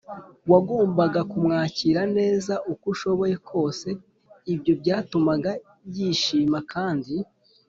wagombaga kumwakira neza uko ushoboye kose. ibyo byatumaga yishima kandi